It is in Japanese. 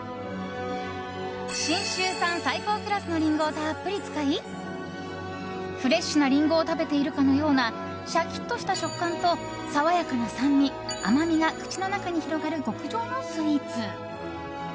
信州産、最高クラスのリンゴをたっぷり使いフレッシュなリンゴを食べているかのようなシャキッとした食感と爽やかな酸味、甘みが口の中に広がる極上のスイーツ。